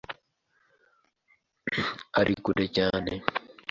Ari kure cyane?